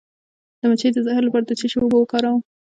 د مچۍ د زهر لپاره د څه شي اوبه وکاروم؟